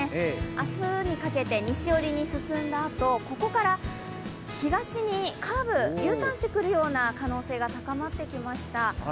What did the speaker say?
明日にかけて西寄りに進んだあとここから東にカーブ、Ｕターンしてくる可能性が高まってきました。